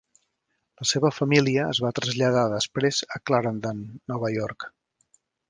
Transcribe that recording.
La seva família es va traslladar després a Clarendon, Nova York.